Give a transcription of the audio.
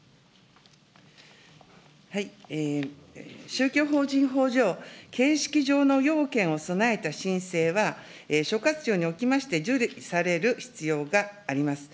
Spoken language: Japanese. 宗教法人法上、形式上の要件を備えた申請は、所轄庁におきまして受理される必要があります。